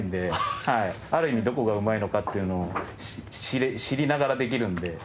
ある意味どこがうまいのかっていうのを知りながらできるんで。